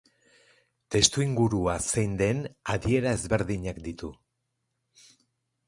Testuingurua zein den adiera ezberdinak ditu.